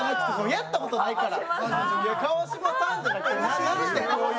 やったことないから。